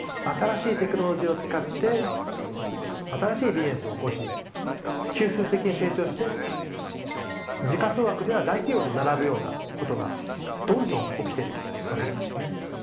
新しいテクノロジーを使って新しいビジネスを興し級数的に成長して時価総額では大企業と並ぶようなことがどんどん起きてるわけなんですね。